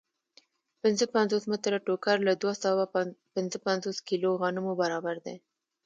پنځه پنځوس متره ټوکر له دوه سوه پنځه پنځوس کیلو غنمو برابر دی